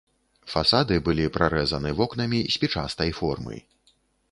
Фасады былі прарэзаны вокнамі спічастай формы.